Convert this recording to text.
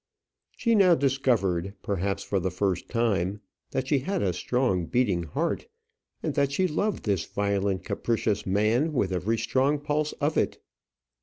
She now discovered, perhaps, for the first time, that she had a strong beating heart, and that she loved this violent capricious man with every strong pulse of it.